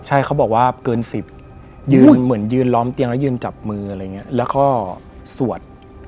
ใช่เขาบอกว่าเกิน๑๐ยืนเหมือนยืนล้อมเตียงแล้วยืนจับมืออะไรอย่างนี้แล้วก็สวด